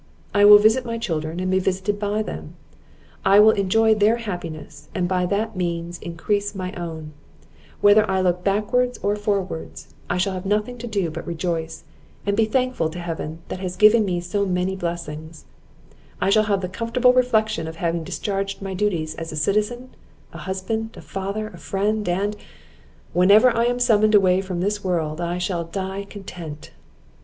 I will visit my children, and be visited by them; I will enjoy their happiness, and by that means increase my own; whether I look backwards or forwards, I shall have nothing to do but rejoice, and be thankful to Heaven that has given me so many blessings; I shall have the comfortable reflection of having discharged my duties as a citizen, a husband, a father, a friend; and, whenever I am summoned away from this world, I shall die content."